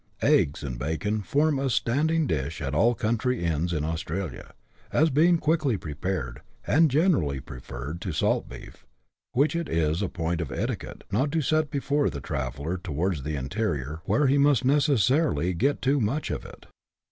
Eggs and bacon form a standing dish at all country inns in Australia, as being quickly prepared, and generally preferred to salt beef, which it is a point of etiquette not to set before the traveller towards the interior, where he must necessarily get too much of it.